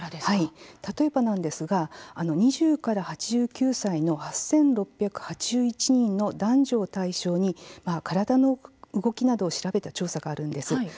例えば２０から８９歳の８６８１人の男女を対象に体の動きなどを調べた調査があるんです。